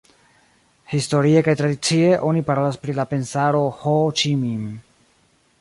Historie kaj tradicie oni parolas pri la Pensaro Ho Ĉi Minh.